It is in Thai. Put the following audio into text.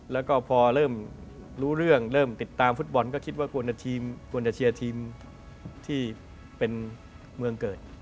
แล้วก็พอเริ่มรู้เรื่องเริ่มติดตามฟุตบอลก็คิดว่าทีมควรจะเชียร์ทีมที่เป็นเมืองเกิด